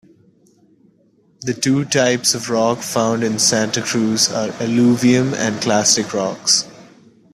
The two types of rocks found in Santa Cruz are alluvium and clastic rocks.